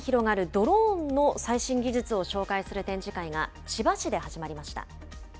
ドローンの最新技術を紹介する展示会が、千葉市で始まりました。